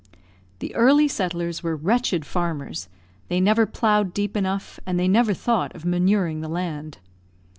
The early settlers were wretched farmers; they never ploughed deep enough, and never thought of manuring the land.